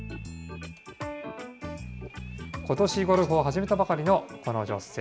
ことしゴルフを始めたばかりのこの女性。